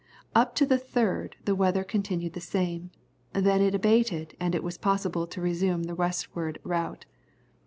Up to the 3rd the weather continued the same, then it abated and it was possible to resume the westward route.